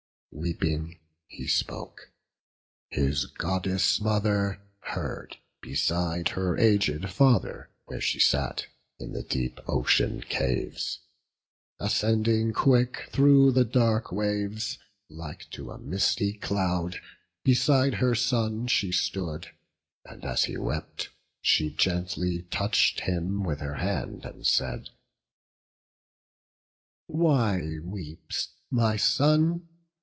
Weeping, he spoke; his Goddess mother heard, Beside her aged father where she sat In the deep ocean caves: ascending quick Through the dark waves, like to a misty cloud, Beside her son she stood; and as he wept, She gently touch'd him with her hand, and said, "Why weeps my son?